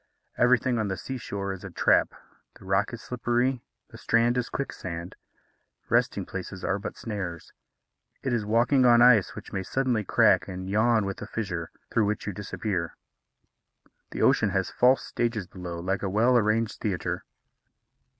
Everything on the sea shore is a trap the rock is slippery, the strand is quicksand. Resting places are but snares. It is walking on ice which may suddenly crack and yawn with a fissure, through which you disappear. The ocean has false stages below, like a well arranged theatre.